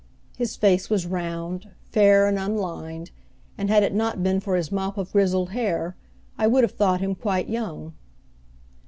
His face was round, fair and unlined, and had it not been for his mop of grizzled hair I would have thought him quite young.